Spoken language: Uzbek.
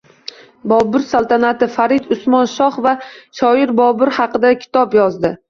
Bobur saltanati — Farid Usmon shoh va shoir Bobur haqida kitob yozdi